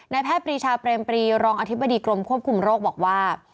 แพทย์ปรีชาเปรมปรีรองอธิบดีกรมควบคุมโรคบอกว่า